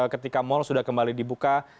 ketika mal sudah kembali dibuka